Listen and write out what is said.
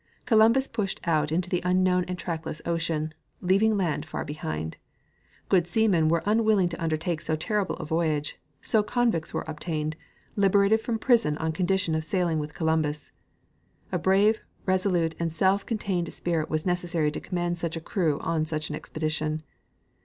Columbus pushed out into the unknown and trackless ocean, leaving the land far behind. Good seamen were unwilling to undertake so terrible a voyage, so convicts were obtained, liberated from prison on condition of sailing with Columbus. A brave, resolute and self contained spirit was necessary to command such a crew on such an expedition.